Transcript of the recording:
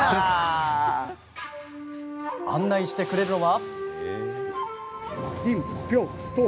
案内してくれるのは。